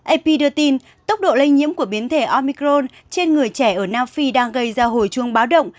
ap đưa tin tốc độ lây nhiễm của biến thể omicron trên người trẻ ở nam phi đang gây ra hồi chuông báo động